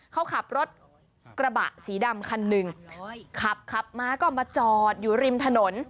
เขาขับรถกระบะสีดำคันหนึ่งขับขับมาก็มาจอดอยู่ริมถนน